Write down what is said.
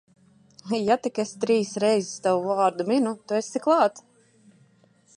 Ja tik es trīs reiz tavu vārdu minu, tu esi klāt.